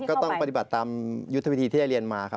ก็ต้องปฏิบัติตามยุทธวิธีที่ได้เรียนมา